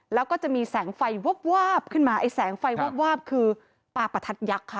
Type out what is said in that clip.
แล้วก็จะมีแสงไฟวาบวาบขึ้นมาไอ้แสงไฟวาบวาบคือปลาประทัดยักษ์ค่ะ